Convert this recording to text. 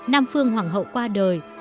nam phương hoàng hậu qua đời